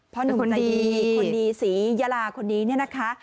หนุ่มใจดีคนดีศรียาลาคนนี้เนี่ยนะคะ